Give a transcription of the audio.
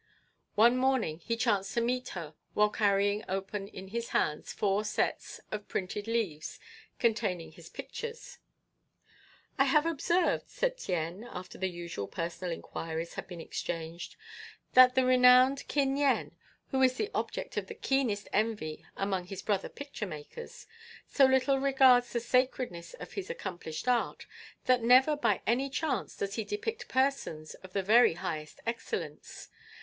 One morning he chanced to meet her while carrying open in his hands four sets of printed leaves containing his pictures. "I have observed," said Tien, after the usual personal inquiries had been exchanged, "that the renowned Kin Yen, who is the object of the keenest envy among his brother picture makers, so little regards the sacredness of his accomplished art that never by any chance does he depict persons of the very highest excellence.